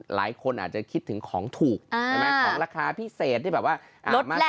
หลายคนอาจจะคิดถึงของถูกของราคาพิเศษที่แบบว่ามาซื้อ